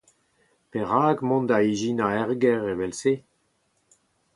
Perak mont da ijinañ ur ger evel-se ?